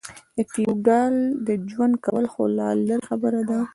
د فېوډال د ژوند کول خو لا لرې خبره ده.